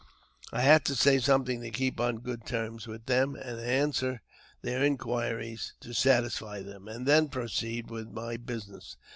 I had to say something to keep on good terms with them, and answer their inquiries to satisfy them, and then proceed with my business.